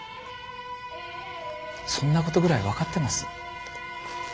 そんなことぐらい分かってます。